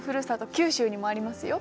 九州にもありますよ。